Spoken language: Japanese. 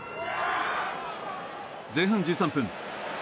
前半１３分。